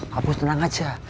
pak bos tenang aja